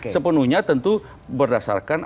sepenuhnya tentu berdasarkan